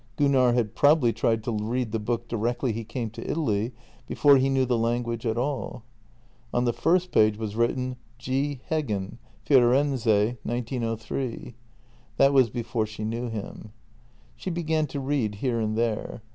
Gunnar had probably tried to read the book directly he came to Italy, be fore he knew the language at all. On the first page was written " G. Heggen, Firenze, 1903 "— that was before she knew him. She began to read here and there.